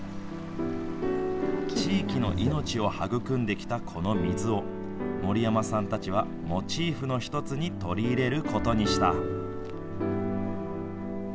地域の命を育んできたこの水を、森山さんたちはモチーフの一つに取り入れることにした。